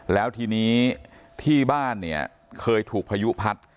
แล้วทีนี้ที่บ้านเนี่ยเคยถูกพายุพัด